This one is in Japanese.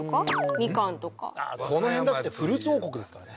みかんとかこの辺だってフルーツ王国ですからね